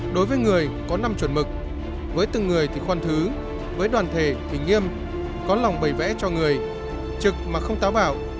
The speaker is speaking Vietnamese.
đối với người có năm chuẩn mực với từng người thì khoan thứ với đoàn thể thì nghiêm có lòng bày vẽ cho người trực mà không táo bạo